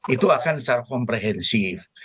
itu akan secara komprehensif